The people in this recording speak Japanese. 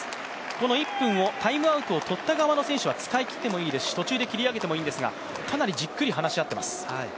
この１分をタイムアウトを取った側の選手は使い切ってもいいですし途中で切り上げてもいいんですが、かなりじっくり話し合っています。